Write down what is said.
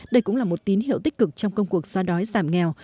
đây cũng là một tín hiệu tích cực trong công cuộc xóa đói giảm nghèo